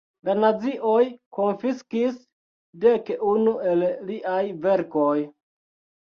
La nazioj konfiskis dek unu el liaj verkoj.